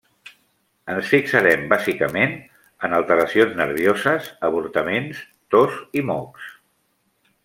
Ens fixarem bàsicament en alteracions nervioses, avortaments, tos i mocs.